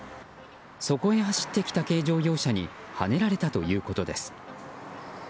そこへ走ってきた軽乗用車にはねられたということです。